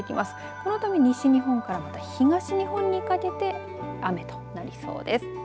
このため西日本から東日本にかけて雨となりそうです。